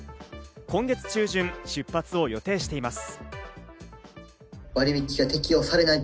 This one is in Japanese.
今月中旬の出発を予定しています。